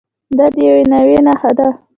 دا د یوې نوعې نښه ده.